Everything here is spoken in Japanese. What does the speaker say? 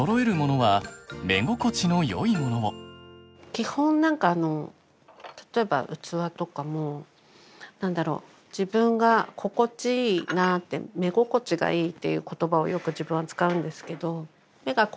基本何か例えば器とかも何だろう自分が心地いいなって「目心地がいい」っていう言葉をよく自分は使うんですけど。